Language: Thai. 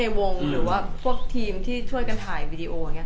ใครวงหรือว่าพวกทีมที่ช่วยกันถ่ายวีดีโอ